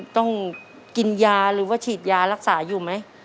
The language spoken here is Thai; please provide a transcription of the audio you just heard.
ต้องกินยาหรือว่าฉีดยารักษาอยู่ไหม